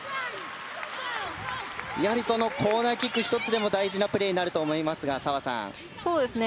やはりコーナーキック１つでも大事なプレーになると思いますが澤さん。